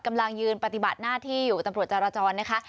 กำลังยืนปฏิบัติหน้าที่อยู่ตำรวจจารจรนะคะ